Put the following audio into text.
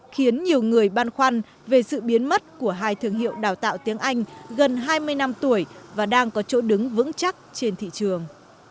khiến nhiều người băn khoăn về sự biến mất của hai thương hiệu đào tạo tiếng anh gần hai mươi năm tuổi và đang có chỗ đứng vững chắc trên thị trường